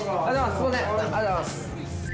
ありがとうございます。